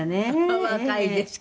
「お若いですけど」